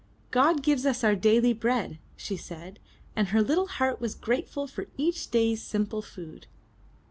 God gives us our daily bread/' she said, and her little heart was grateful for each day's simple food.